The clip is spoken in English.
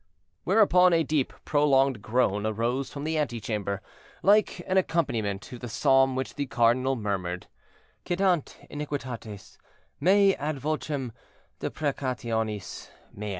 Whereupon a deep prolonged groan arose from the antechamber, like an accompaniment to the psalm which the cardinal murmured: "Cedant iniquitates meæ ad vocem deprecationis meæ."